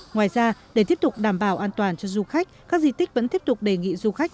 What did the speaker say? ngoài ra để tiếp tục đảm bảo an toàn cho du khách các di tích vẫn tiếp tục đề nghị du khách